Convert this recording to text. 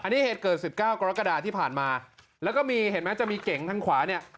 นี่เหตุเกิด๑๙กรกฎาที่ผ่านมาแล้วก็มีเห็นไหมจะมีเก๋งทางขวาเนี่ย